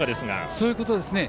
そういうことですね。